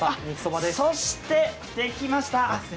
そして、できました。